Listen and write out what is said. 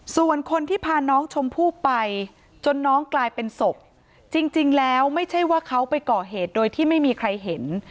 ส่วนคนที่พาน้องชมพู่ไปจนน้องกลายเป็นศพจริงแล้วไม่ใช่ว่าเขาไปก่อเหตุโดยที่ไม่มีใครเห็น